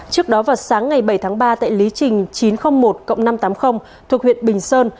trước đó vào sáng ngày bảy tháng ba tại lý trình chín trăm linh một năm trăm tám mươi thuộc huyện bình sơn